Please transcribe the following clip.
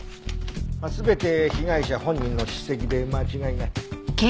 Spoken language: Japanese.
全て被害者本人の筆跡で間違いない。